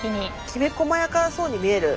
きめこまやかそうに見える。